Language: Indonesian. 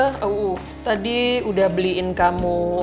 oh tadi udah beliin kamu